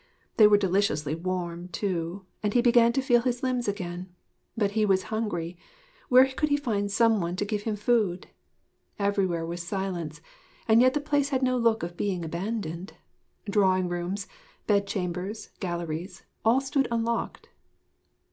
They were deliciously warm, too, and he began to feel his limbs again. But he was hungry; where could he find some one to give him food? Everywhere was silence; and yet the place had no look of being abandoned. Drawingrooms, bedchambers, galleries all stood unlocked....